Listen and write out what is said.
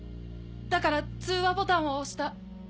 だから通話ボタンを押した。